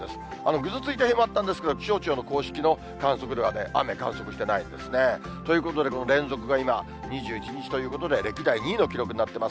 ぐずついた日もあったんですけど、気象庁の公式の観測では雨、観測してないんですね。ということで連続が今、２１日ということで、歴代２位の記録になってます。